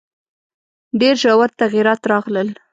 ډېر ژور تغییرات راغلل.